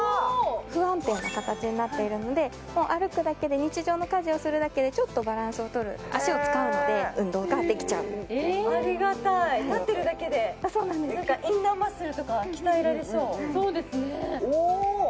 不安定な形になっているので歩くだけで日常の家事をするだけでちょっとバランスをとる脚を使うので運動ができちゃうありがたい立ってるだけでそうなんですそうですねおっ！